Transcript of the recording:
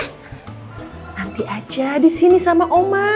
nanti aja di sini sama oma